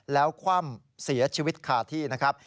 แล้วคว่ำเสียชีวิตคาที่นะครับ